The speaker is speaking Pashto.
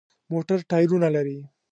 موټر ټایرونه لري.